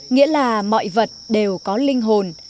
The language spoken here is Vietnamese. nghĩa là mọi vật đều có linh hồn